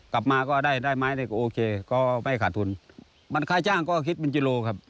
ก็ได้ได้ไม้ได้โอเคก็ไม่ขาดทุนมันค่ายจ้างก็คิดเป็นจิโลครับ